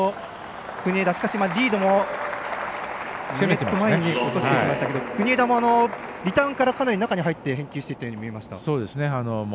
国枝リードも落としていきましたが国枝もリターンから中に入って返球していたように見えました。